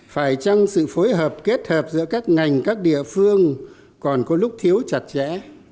phải chăng sự phối hợp kết hợp giữa các ngành các địa phương còn có lúc thiếu chặt chẽ